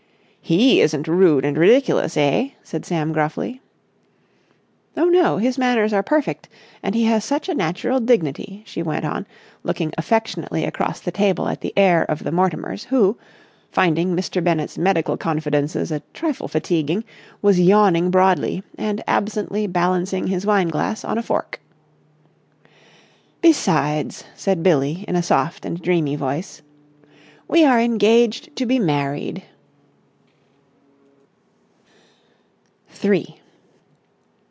"He isn't rude and ridiculous, eh?" said Sam gruffly. "Oh, no. His manners are perfect, and he has such a natural dignity," she went on, looking affectionately across the table at the heir of the Mortimers, who, finding Mr. Bennett's medical confidences a trifle fatiguing, was yawning broadly, and absently balancing his wine glass on a fork. "Besides," said Billie in a soft and dreamy voice, "we are engaged to be married!"